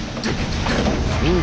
うん！